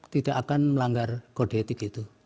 tidak akan melanggar kode etik itu